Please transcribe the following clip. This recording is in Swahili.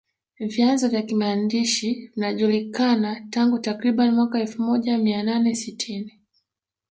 vyanzo vya kimaandishi vinajulikana tangu takriban mwaka elfu moja mia nane sitini